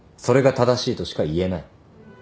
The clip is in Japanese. それが正しいとしか言えない。